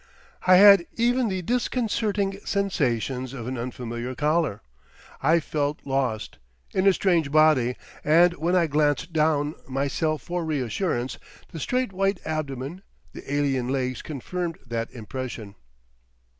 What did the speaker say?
I had even the disconcerting sensations of an unfamiliar collar. I felt lost—in a strange body, and when I glanced down myself for reassurance, the straight white abdomen, the alien legs confirmed that impression.